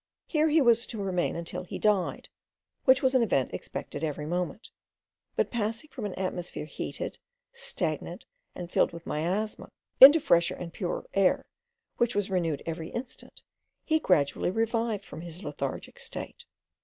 Here he was to remain till he died, which was an event expected every moment; but passing from an atmosphere heated, stagnant, and filled with miasma, into fresher and purer air, which was renewed every instant, he gradually revived from his lethargic state.